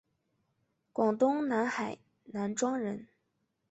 广东南海南庄人。